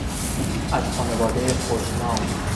از خانوادهی خوشنام